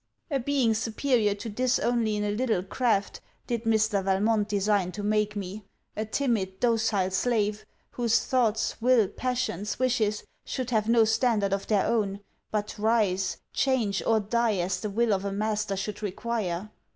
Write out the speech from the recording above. A being superior to this only in a little craft, did Mr. Valmont design to make me: a timid, docile slave, whose thoughts, will, passions, wishes, should have no standard of their own, but rise, change or die as the will of a master should require!